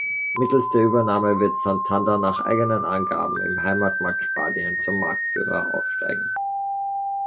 Mittels der Übernahme wird Santander nach eigenen Angaben im Heimatmarkt Spanien zum Marktführer aufsteigen.